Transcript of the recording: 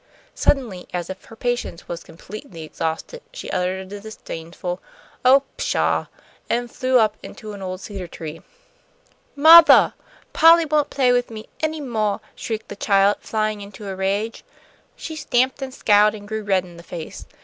Suddenly, as if her patience was completely exhausted, she uttered a disdainful "Oh, pshaw!" and flew up into an old cedar tree. "Mothah! Polly won't play with me any moah," shrieked the child, flying into a rage. She stamped and scowled and grew red in the face.